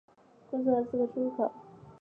共设四个出入口。